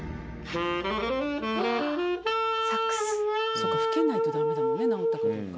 そうか吹けないとダメだもんね直ったかどうか。